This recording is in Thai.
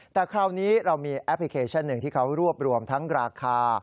แต่คราวนี้เรามีแอปพลิเคชันหนึ่งที่เขารวบรวมทั้งราคา